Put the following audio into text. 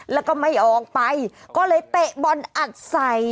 แล้วก็ไม่ออกไปก็เลยเตะบอลอัดใส่